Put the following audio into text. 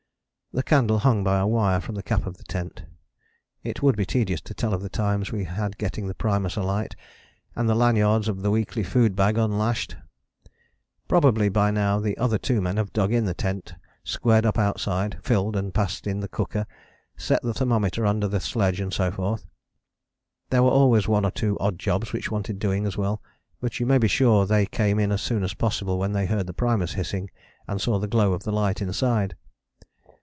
The candle hung by a wire from the cap of the tent. It would be tedious to tell of the times we had getting the primus alight, and the lanyards of the weekly food bag unlashed. Probably by now the other two men have dug in the tent; squared up outside; filled and passed in the cooker; set the thermometer under the sledge and so forth. There were always one or two odd jobs which wanted doing as well: but you may be sure they came in as soon as possible when they heard the primus hissing, and saw the glow of light inside.